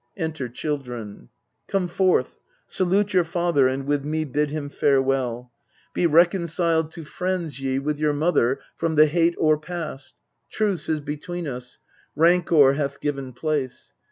Enter CHILDREN Come forth, salute your father, and with me Bid him farewell : be reconciled to friends 272 Yc, u ith your mother, from the hate o'erpast. Truce is between us, rancour hath given place.